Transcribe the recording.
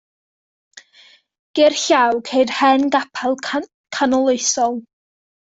Gerllaw, ceir hen gapel Canoloesol.